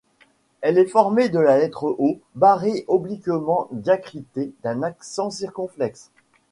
Elle est formée de la lettre O barré obliquement diacritée d’un accent circonflexe.